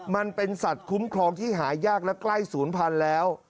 มันเป็นสัตว์คุ้มครองที่หายากและใกล้ศูนย์พันธุ์แล้ว